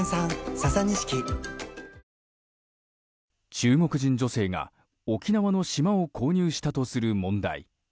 中国人女性が沖縄の島を購入したとする問題。